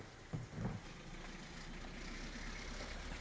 di sisi lain penjual air sumur bor dan amdk memperbaiki kontrak keuntungan